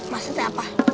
masa teh apa